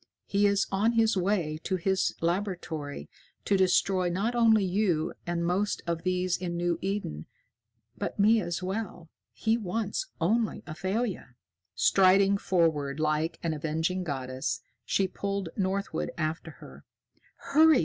He is on his way to his laboratory to destroy not only you and most of these in New Eden, but me as well. He wants only Athalia." Striding forward like an avenging goddess, she pulled Northwood after her. "Hurry!"